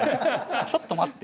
ちょっと待って。